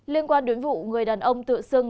liên quan đến vụ người đàn ông tự xưng